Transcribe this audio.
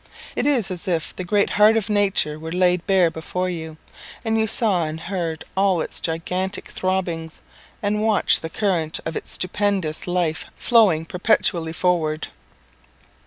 It is as if the great heart of nature were laid bare before you, and you saw and heard all its gigantic throbbings, and watched the current of its stupendous life flowing perpetually forward.